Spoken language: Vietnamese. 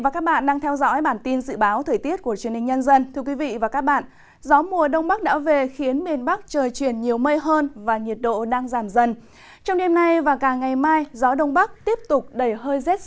các bạn hãy đăng ký kênh để ủng hộ kênh của chúng mình nhé